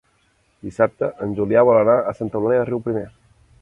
Dissabte en Julià vol anar a Santa Eulàlia de Riuprimer.